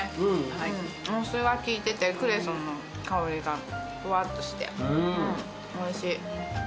お酢が効いててクレソンの香りがふわっとしておいしい。